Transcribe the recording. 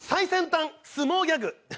最先端相撲ギャグ。